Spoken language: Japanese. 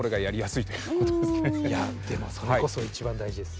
いやでもそれこそ一番大事です。